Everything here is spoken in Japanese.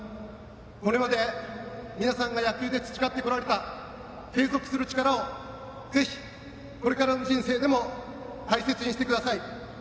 これまで、皆さんが野球で培ってこられた継続する力をぜひ、これからの人生でも大切にしてください。